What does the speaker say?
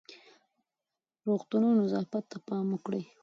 د روغتونونو نظافت ته پام وکړئ.